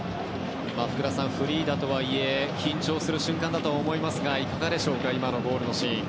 福田さん、フリーとはいえ緊張する瞬間だと思いますがいかがですか今のゴールシーン。